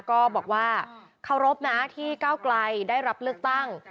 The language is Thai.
ก็บอกว่าเคารพนะที่ก้าวไกลได้รับเลือกตั้ง